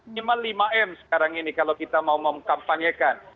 minimal lima m sekarang ini kalau kita mau mengkampanyekan